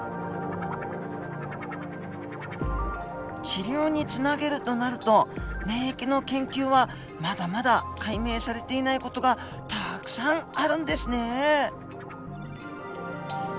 治療につなげるとなると免疫の研究はまだまだ解明されていない事がたくさんあるんですね。